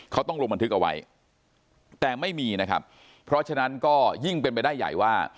เขาต้องลงบันทึกเอาไว้แต่ไม่มีนะครับเพราะฉะนั้นก็ยิ่งเป็นไปได้ใหญ่ว่า